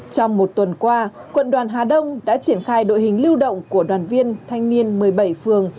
trong một tuần qua quận đoàn hà đông đã triển khai đội hình lưu động của đoàn viên thanh niên một mươi bảy phường